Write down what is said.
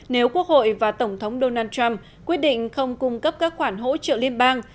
nếu quốc hội và tổng thống donald trump quyết định không cung cấp các khoản hỗ trợ liên bang